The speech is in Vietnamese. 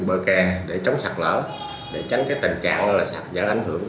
bờ kè để chống sạc lở để tránh tình trạng sạc dở ảnh hưởng